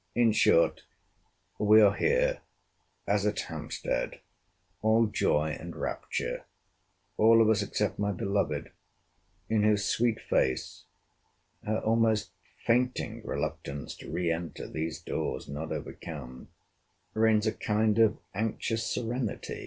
In short, we are here, as at Hampstead, all joy and rapture—all of us except my beloved; in whose sweet face, [her almost fainting reluctance to re enter these doors not overcome,] reigns a kind of anxious serenity!